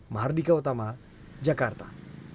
mahardika utama jakarta